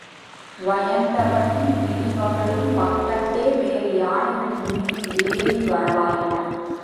வயந்தகனும் இடிவகனும் பக்கத்தே வேறு யானைகளின்மீது ஏறி வரலாயினர்.